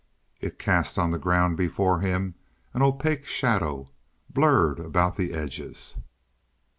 It cast on the ground before him an opaque shadow, blurred about the edges.